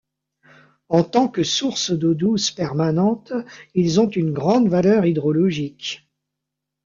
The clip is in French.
En tant que sources d'eau douce permanente, ils ont une grande valeur hydrologique.